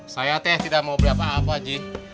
saya teh tidak mau beli apa apa ji